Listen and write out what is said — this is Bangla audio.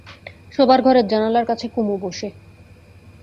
শোবার ঘরের জানালার কাছে কুমু বসে।